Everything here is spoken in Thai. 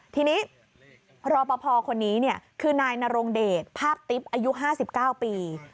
ทีนี้รอปภคนนี้คือนายนรงเดชภาพติ๊บอายุ๕๙ปี